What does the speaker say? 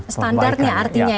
standarnya artinya ya